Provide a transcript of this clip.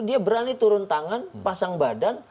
dia berani turun tangan pasang badan